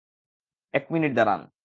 এক মিনিট দাঁড়ান!